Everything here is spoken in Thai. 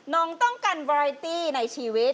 น้องต้องการบรายตี้ในชีวิต